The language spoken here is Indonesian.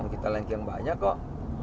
kita lengkeng banyak kok